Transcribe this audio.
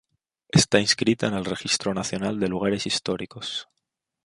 Está inscrita en el Registro Nacional de Lugares Históricos.